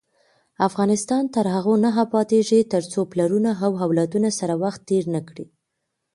افغانستان تر هغو نه ابادیږي، ترڅو پلرونه له اولادونو سره وخت تیر نکړي.